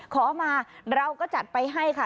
ขอมาเราก็จัดไปให้ค่ะ